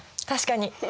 確かに。